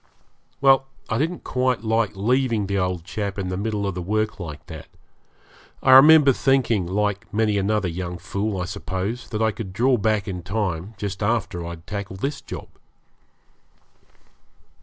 Well, I didn't quite like leaving the old chap in the middle of the work like that. I remember thinking, like many another young fool, I suppose, that I could draw back in time, just after I'd tackled this job.